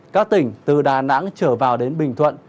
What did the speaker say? các tỉnh từ đà nẵng trở vào đến bình thuận